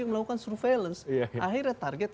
melakukan surveillance akhirnya target